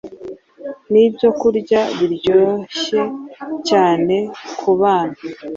Nibyokurya biryohye cyane kubana